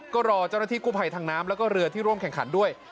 ก็รอเจ้าหน้าที่กู้ภัยทางน้ำแล้วก็เรือที่ร่วมแข่งขันด้วย